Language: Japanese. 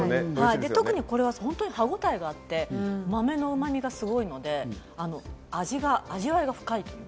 特にこれは本当に歯ごたえがあって、豆のうま味がすごいので味わいが深い。